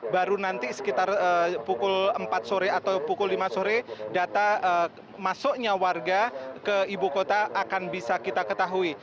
baru nanti sekitar pukul empat sore atau pukul lima sore data masuknya warga ke ibu kota akan bisa kita ketahui